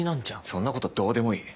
そんなことどうでもいい。